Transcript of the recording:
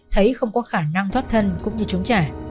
thấy không có khả năng thoát thân cũng như chống trả